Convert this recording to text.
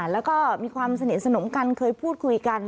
แล้วก็มีความสนิทสนมกันเคยพูดคุยกัน